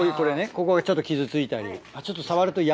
ここがちょっと傷ついたり。